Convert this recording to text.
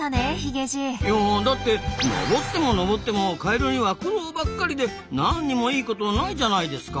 いやだって登っても登ってもカエルには苦労ばっかりでなんにもいいことないじゃないですか。